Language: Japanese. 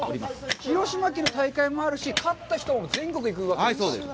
広島県の大会もあるし、勝った人は全国に行くわけですね。